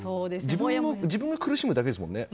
自分が苦しむだけですもんね。